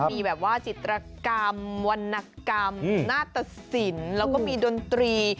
มีแบบว่าจิตรกรรมวรรณกรรมนาตสินแล้วก็มีดนตรี